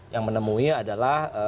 yang menemui adalah